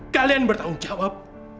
kalian bertanggung jawab